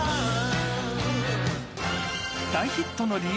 大ヒットの理由